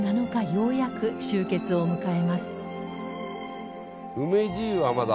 ようやく終結を迎えます